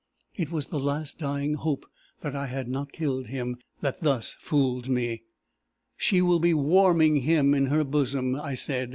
It was the last dying hope that I had not killed him that thus fooled me. 'She will be warming him in her bosom!' I said.